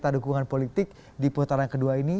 ada dukungan politik di putaran kedua ini